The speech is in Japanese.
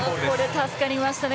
助かりましたね。